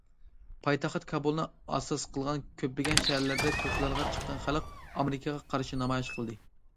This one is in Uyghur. پايتەخت كابۇلنى ئاساس قىلغان كۆپلىگەن شەھەرلەردە كوچىلارغا چىققان خەلق، ئامېرىكىغا قارشى نامايىش قىلدى.